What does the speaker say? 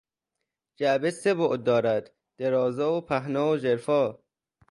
جعبه سه بعد دارد: درازا و پهنا و ژرفا